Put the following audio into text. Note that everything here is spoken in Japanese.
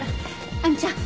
亜美ちゃん！